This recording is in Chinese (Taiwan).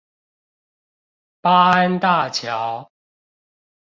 八安大橋